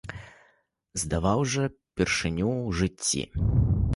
Здаваў жа ўпершыню ў жыцці!